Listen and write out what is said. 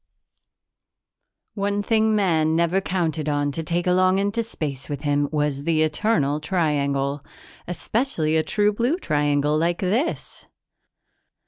One thing Man never counted on to take along into space with him was the Eternal Triangle especially a true blue triangle like this!